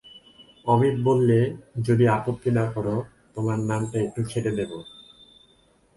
অমিত বললে, যদি আপত্তি না কর তোমার নামটা একটু ছেঁটে দেব।